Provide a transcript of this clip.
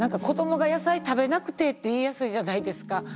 「子どもが野菜食べなくて」って言いやすいじゃないですか。